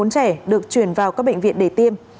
bốn mươi bốn trẻ được chuyển vào các bệnh viện để tiêm